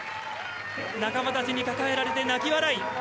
仲間たちに抱えられて泣き笑い。